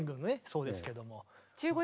そうですけども。